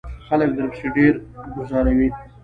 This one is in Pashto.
خلک درپسې ډیری گوزاروي.